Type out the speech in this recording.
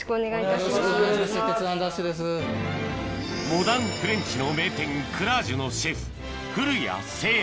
モダンフレンチの名店クラージュのシェフ